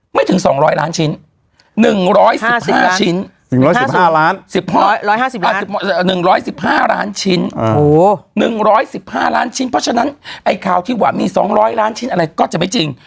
ไม่ถึง๒๐๐ล้านชิ้น๑๑๕ล้านชิ้นเพราะฉะนั้นไอ้ข่าวที่ว่ามี๒๐๐ล้านชิ้นอะไรก็จะไม่จริง